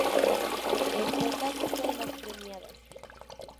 Esta es la lista de las premiadas